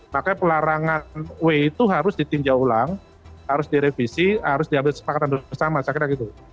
makanya pelarangan w itu harus ditinjau ulang harus direvisi harus diambil kesepakatan bersama